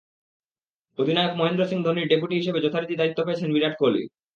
অধিনায়ক মহেন্দ্র সিং ধোনির ডেপুটি হিসেবে যথারীতি দায়িত্ব পেয়েছেন বিরাট কোহলি।